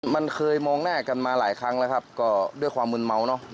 มันเคยมองหน้ากันมาหลายครั้งแล้วครับก็ด้วยความมืนเมาเนอะ